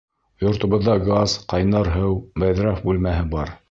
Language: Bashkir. Йортобоҙҙа газ, ҡайнар һыу, бәҙрәф бүлмәһе бар.